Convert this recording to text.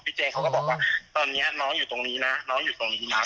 เจ๊เขาก็บอกว่าตอนนี้น้องอยู่ตรงนี้นะน้องอยู่ตรงนี้นะ